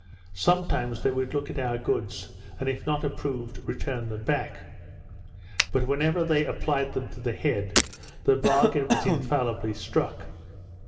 Sometimes they would look at our goods, and if not approved, return them back; but whenever they applied them to the head, the bargain was infallibly struck.